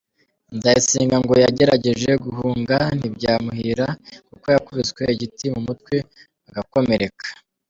Nzayisenga ngo yagerageje guhunga ntibyamuhira, kuko yakubiswe igiti mu mutwe agakomereka.